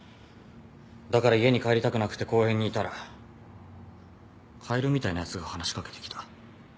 だから家に帰りたくなくて公園にいたらカエルみたいなやつが話し掛けてきた。